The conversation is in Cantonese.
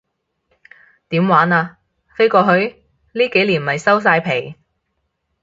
點玩啊，飛過去？呢幾年咪收晒皮